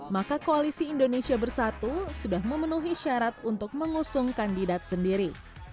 maka koalisi indonesia bersatu sudah memenuhi syarat untuk mengusung kandidat sendiri